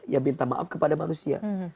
ya minta maaf kepada manusia